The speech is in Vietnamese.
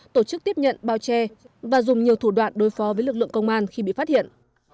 tổ chức tiếp nhận bao che và dùng nhiều thủ đoạn đối phó với lực lượng công an khi bị phát hiện